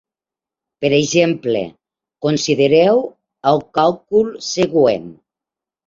Per exemple, considereu el càlcul següent.